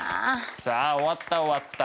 さあ終わった終わった。